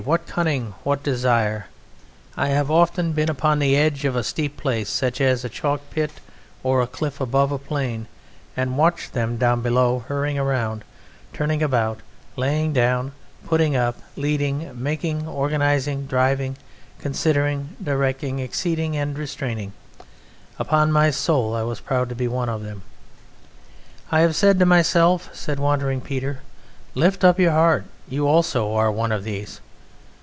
What cunning! What desire! I have often been upon the edge of a steep place, such as a chalk pit or a cliff above a plain, and watched them down below, hurrying around, turning about, laying down, putting up, leading, making, organizing, driving, considering, directing, exceeding, and restraining; upon my soul I was proud to be one of them! I have said to myself," said Wandering Peter, "lift up your heart; you also are one of these!